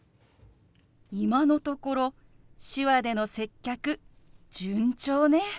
今のところ手話での接客順調ね。